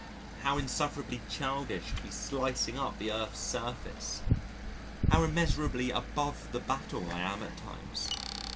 How insufferably childish to be slicing up the earth's surface! How immeasureably "above the battle" I am at times.